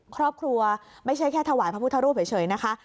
ครอบครัวไม่ใช่แค่ถวายพระพุทธรูปเฉยนะคะ